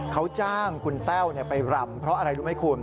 เขาจ้างคุณแต้วไปรำเพราะอะไรรู้ไหมคุณ